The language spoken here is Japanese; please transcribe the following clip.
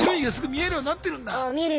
見えるようになってるんですよ。